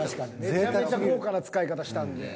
めちゃめちゃ豪華な使い方したんで。